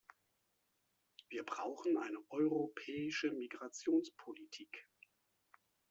Wir brauchen eine europäische Migrationspolitik.